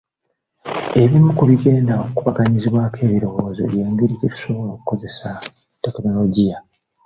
Ebimu ku bigenda okukubaganyizibwako ebirowoozo y’engeri gye tusobola okukozesa tekinologiya .